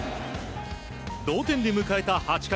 同点で迎えた８回。